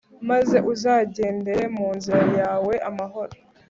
Maze uzagendere mu nzira yawe amahoro